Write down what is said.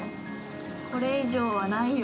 これ以上はないよ・